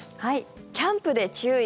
キャンプで注意！